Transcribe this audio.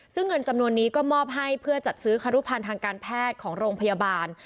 ซึ่งเงินจำนวนนี้ก็มอบให้เพื่อจัดซื้อครุพันธ์ทางการแพทย์ของโรงพยาบาล